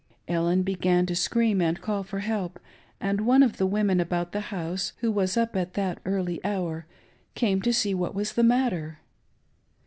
Ellen began to scream and call for help, and one of the women about the house, who was up at that early hour, came to see what was the matter.